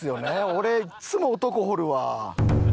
俺いつも男掘るわ。